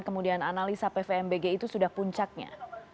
kemudian analisa pvmbg itu sudah puncaknya